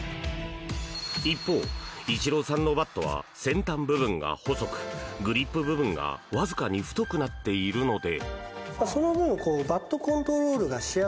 一方、イチローさんのバットは先端部分が細くグリップ部分がわずかに太くなっているので。